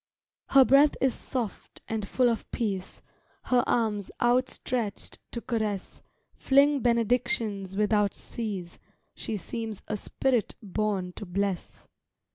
Her breath is soft, and full of peace, Her arms outstretchéd to caress Fling benedictions without cease, She seems a spirit borne to bless.